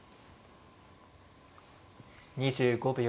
２５秒。